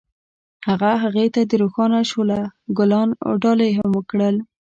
هغه هغې ته د روښانه شعله ګلان ډالۍ هم کړل.